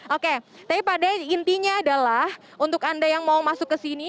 oke tapi pada intinya adalah untuk anda yang mau masuk ke sini